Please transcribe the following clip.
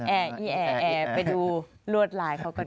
แอไปดูลวดลายเขาก่อน